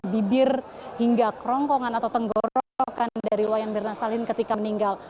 bibir hingga kerongkongan atau tenggorokan dari wayan mirna salihin ketika meninggal